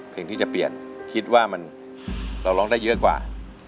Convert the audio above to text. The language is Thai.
เพลงที่จะเปลี่ยนคิดว่าเราร้องได้เยอะกว่า